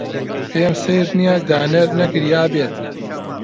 پێم سەیر نییە دانەر نەگریابێت.